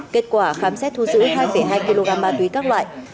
kết quả khám xét thu giữ hai hai kg ma túy các loại